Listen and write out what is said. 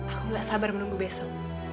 aku gak sabar menunggu besok